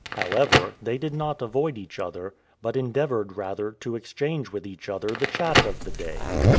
However, they did not avoid each other, but endeavored rather to exchange with each other the chat of the day.